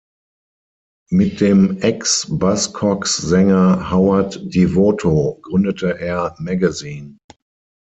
Mit dem ex-Buzzcocks-Sänger Howard Devoto gründete er Magazine.